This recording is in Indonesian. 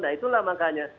nah itulah makanya